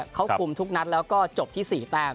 เค้ากลุ่มทุ่คนัดแล้วก็จบที่๔แบบ